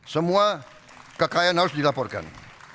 semua kekayaan harus dilaporkan